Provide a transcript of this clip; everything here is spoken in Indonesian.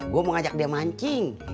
gue mau ngajak dia mancing